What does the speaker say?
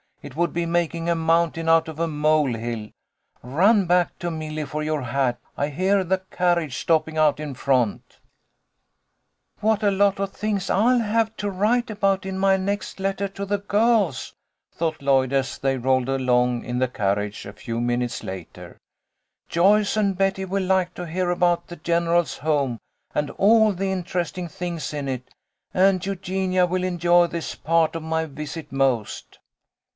It would be making a mountain out of a mole hill. Run back to Milly for your hat. I hear the carriage stopping out in front." 1 82 THE LITTLE COLONEL'S HOLIDAYS. " What a lot of things I'll have to write about in my next letter to the girls," thought Lloyd, as they rolled along in the carriage a few minutes later. "Joyce and Betty will like to hear about the general's home and all the interesting things in it, and Eugenia will enjoy this part of my visit most."